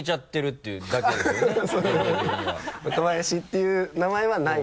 「若林」っていう名前はない。